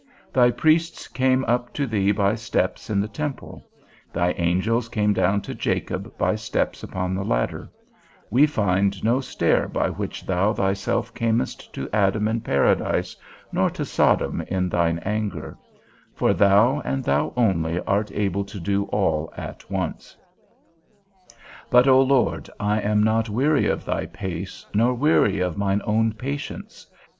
Thy priests came up to thee by steps in the temple; thy angels came down to Jacob by steps upon the ladder; we find no stair by which thou thyself camest to Adam in paradise, nor to Sodom in thine anger; for thou, and thou only, art able to do all at once. But O Lord, I am not weary of thy pace, nor weary of mine own patience.